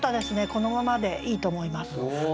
このままでいいと思います。